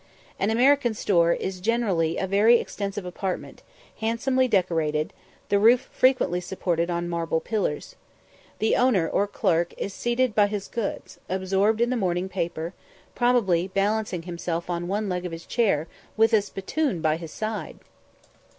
An American store is generally a very extensive apartment, handsomely decorated, the roof frequently supported on marble pillars. The owner or clerk is seen seated by his goods, absorbed in the morning paper probably balancing himself on one leg of his chair, with a spittoon by his side.